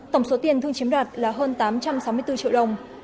tổng số tiền thương chiếm đoạt là hơn tám trăm sáu mươi bốn triệu đồng